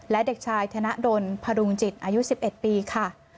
และเด็กชายธนดลพดุงจิตอายุ๑๑ปีค่ะ